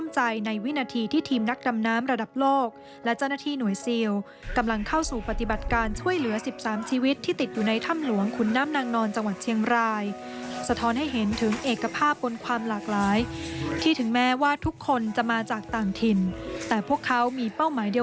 จะมีใครบ้างนั้นติดตามจากรายงานครับ